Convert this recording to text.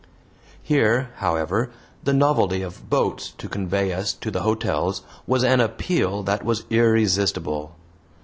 Here, however, the novelty of boats to convey us to the hotels was an appeal that was irresistible.